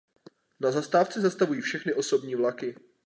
Na zastávce zastavují všechny osobní vlaky.